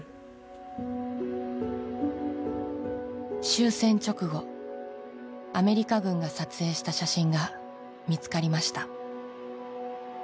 終戦直後アメリカ軍が撮影した写真が見つかりました。